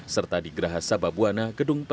serta di gerahas sababwana gedung perlengkapan